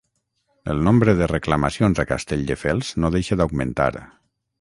El nombre de reclamacions a Castelldefels no deixa d'augmentar.